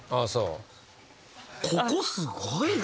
ここすごいね。